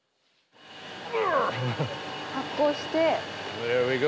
発酵して。